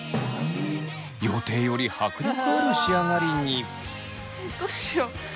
予定より迫力ある仕上がりに。